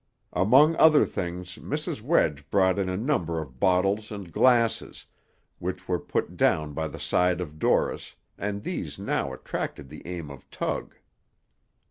Among other things Mrs. Wedge brought in a number of bottles and glasses, which were put down by the side of Dorris, and these now attracted the aim of Tug.